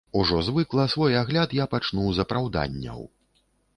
Ужо звыкла свой агляд я пачну з апраўданняў.